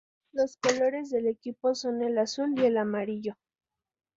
Los colores del equipo son el azul y el amarillo.